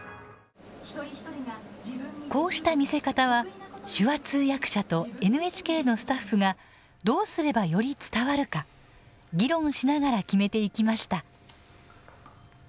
こうした見せ方は手話通訳者とＮＨＫのスタッフがどうすればより伝わるか議論しながら決めていきました。